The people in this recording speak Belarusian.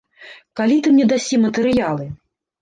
Калі ты мне дасі матэрыялы?